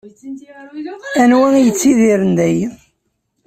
Anwa i yettidiren dayi?